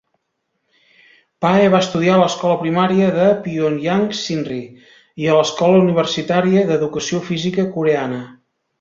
Pae va estudiar a l'Escola Primària de Pyongyang Sinri i a l'Escola Universitària d'Educació Física Coreana.